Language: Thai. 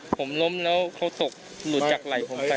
ผมล้มแล้วเขาตกหลุดจากไหล่ผมไป